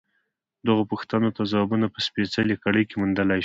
دغو پوښتنو ته ځوابونه په سپېڅلې کړۍ کې موندلای شو.